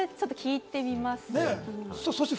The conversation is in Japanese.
それ聞いてみます。